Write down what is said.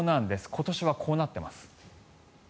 今年はこうなっています。